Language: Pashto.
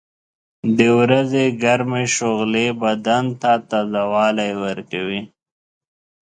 • د ورځې ګرمې شغلې بدن ته تازهوالی ورکوي.